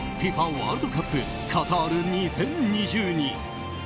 ワールドカップカタール２０２２。